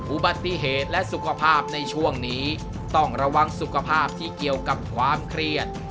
อุบัติเหตุและสุขภาพในช่วงนี้ต้องระวังสุขภาพที่เกี่ยวกับความเครียด